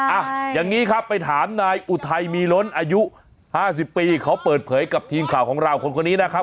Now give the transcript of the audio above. อ่ะยังงี้ครับไปถามนายอุไทมีลล้นอายุ๕๐ปีเขาเปิดเผยกับทีมข่าวของเราคนนี้นะครับ